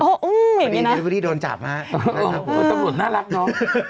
เอ็มกี่นะโอ้โหตำรวจน่ารักเนอะ